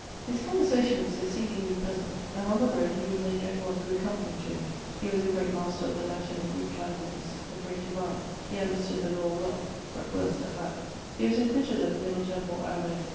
His conversation was exceedingly pleasant, and on the roade he would make any one good company to him. He was a great master of the Latin and Greke languages; a great divine. He understood the lawe well, but worst at that. He was admitted at the Middle Temple anno